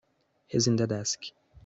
He's in the desk.